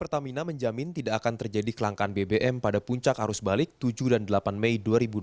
pertamina menjamin tidak akan terjadi kelangkaan bbm pada puncak arus balik tujuh dan delapan mei dua ribu dua puluh